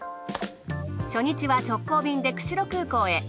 初日は直行便で釧路空港へ。